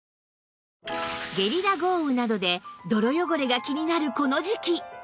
ゲリラ豪雨などで泥汚れが気になるこの時期